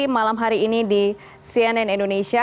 malam hari ini di cnn indonesia